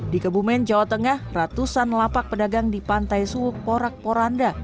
di kebumen jawa tengah ratusan lapak pedagang di pantai suwuk porak poranda